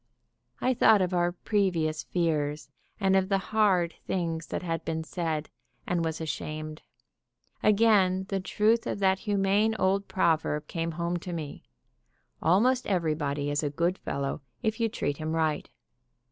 I thought of our previous fears and of the hard things that had been said, and was ashamed. Again the truth of that humane old proverb came home to me: "Almost everybody is a good fellow if you treat him right."